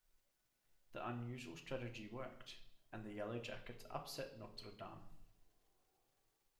The unusual strategy worked, and the Yellow Jackets upset Notre Dame.